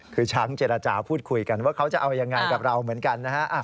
คือช้างเจรจาพูดคุยกันว่าเขาจะเอายังไงกับเราเหมือนกันนะฮะ